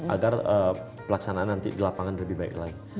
agar pelaksanaan nanti di lapangan lebih baik lagi